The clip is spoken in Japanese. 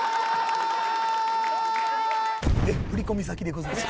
振り込み先でございます。